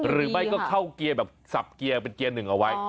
หรือไม่ก็เข้าเกียร์แบบสับเกียร์เป็นเกียร์หนึ่งเอาไว้